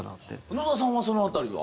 野田さんはその辺りは？